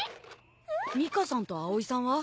ミカさんとアオイさんは？